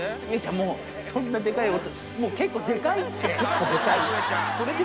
もう、そんなでかい音、もう、結構でかいって。